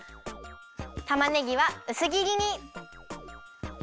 たまねぎはうすぎりに。